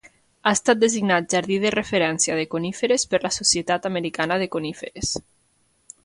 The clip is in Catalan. Ha estat designat jardí de referència de Coníferes per la Societat Americana de Coníferes.